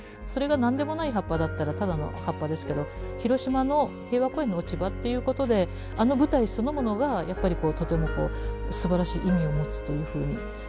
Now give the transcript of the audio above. それが何でもない葉っぱだったらただの葉っぱですけど広島の平和公園の落ち葉っていうことであの舞台そのものがとてもすばらしい意味を持つというふうに。